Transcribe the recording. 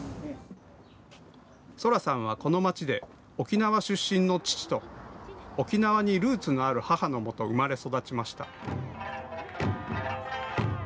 青空さんは、この街で沖縄出身の父と沖縄にルーツのある母のもと生まれ育ちました。